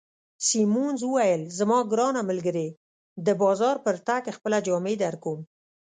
سیمونز وویل: زما ګرانه ملګرې، د بازار پر تګ خپله جامې درکوم.